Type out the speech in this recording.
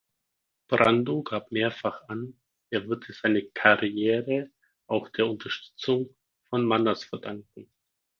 Brando gab mehrfach an, er würde seine Karriere auch der Unterstützung von Manners verdanken.